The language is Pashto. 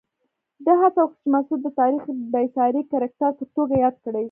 ده هڅه وکړه چې مسعود د تاریخ بېساري کرکټر په توګه یاد کړي.